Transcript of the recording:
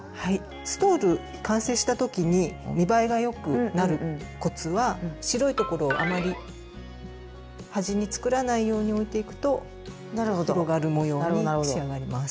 ストール完成した時に見栄えがよくなるコツは白いところをあまり端に作らないように置いていくと広がる模様に仕上がります。